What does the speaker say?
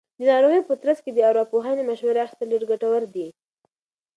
د ناروغۍ په ترڅ کې د ارواپوهنې مشورې اخیستل ډېر ګټور دي.